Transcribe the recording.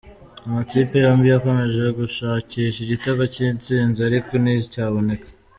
Amakipe yombi yakomeje gushakisha igitego cy'insinzi ariko nticyaboneka.